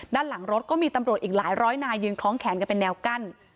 ด้านหลังรถก็มีตำรวจอีกหลายร้อยนายยืนคล้องแขนกันเป็นแนวกั้น